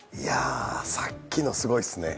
さっきの、すごいですね。